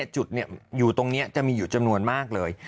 จุดอยู่ตรงนี้จะมีอยู่จำนวนมากเลย